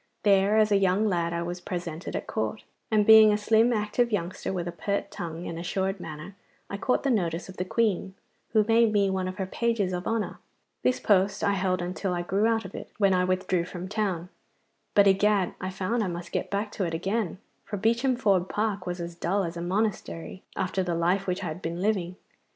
There as a young lad I was presented at Court, and being a slim active youngster with a pert tongue and assured manner, I caught the notice of the Queen, who made me one of her pages of honour. This post I held until I grew out of it, when I withdrew from town, but egad! I found I must get back to it again, for Beacham Ford Park was as dull as a monastery after the life which I had been living.